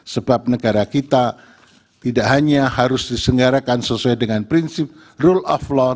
sebab negara kita tidak hanya harus disenggarakan sesuai dengan prinsip rule of law